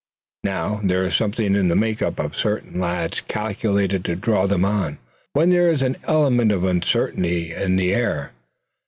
Now, there is something in the makeup of certain lads calculated to draw them on, when there is an element of uncertainty in the air.